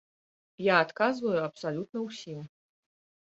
Я адказваю абсалютна ўсім.